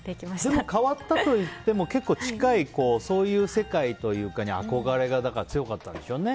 でも、変わったといっても結構近い、そういう世界に憧れが強かったんでしょうね。